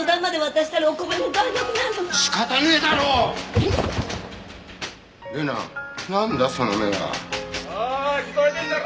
おい聞こえてんだろ？